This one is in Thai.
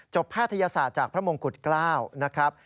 จบแพทยศาสตร์จากพระมงกุฎเกล้า